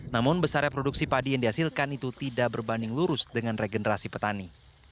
namun besarnya produksi padi yang dihasilkan itu tidak berbanding lurus dengan regenerasi petani